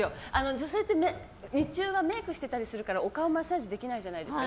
女性って日中はメイクしてたりするからお顔マッサージできないじゃないですか。